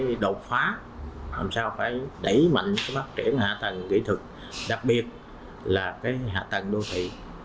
cái đột phá làm sao phải đẩy mạnh phát triển hạ tầng kỹ thuật đặc biệt là cái hạ tầng đô thị